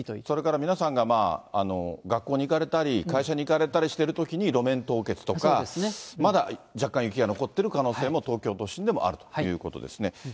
それから皆さんが学校に行かれたり、会社に行かれたりしてるときに、路面凍結とか、まだ若干雪が残っている可能性が東京都心でもあるということですね。